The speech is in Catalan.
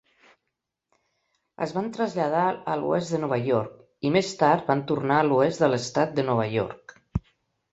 Es van traslladar a l'oest de Nova York, i més tard van tornar a l'oest de l'estat de Nova York.